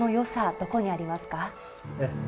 どこにありますか？